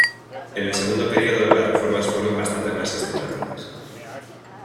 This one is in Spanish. En el segundo período, las reformas fueron bastante más sistemáticas.